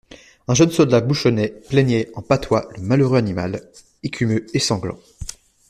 Un jeune soldat bouchonnait, plaignait en patois le malheureux animal, écumeux et sanglant.